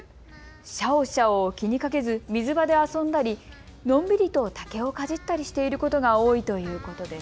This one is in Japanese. シャオシャオを気にかけず水場で遊んだりのんびりと竹をかじったりしていることが多いということです。